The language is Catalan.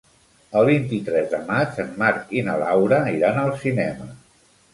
El vint-i-tres de maig en Marc i na Laura iran al cinema.